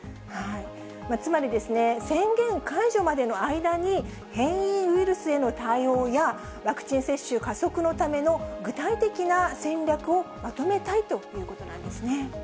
つまり、宣言解除までの間に、変異ウイルスへの対応や、ワクチン接種加速のための具体的な戦略をまとめたいということなんですね。